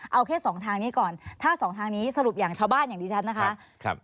เอาแค่สองทางนี้ก่อนถ้าสองทางนี้สรุปอย่างชาวบ้านอย่างดิฉันนะคะ